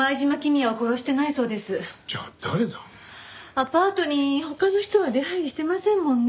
アパートに他の人は出入りしてませんもんね。